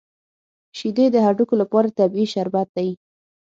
شیدې د هډوکو لپاره طبیعي شربت دی